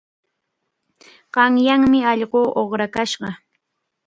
Qanyanmi allqu uqrakashqa.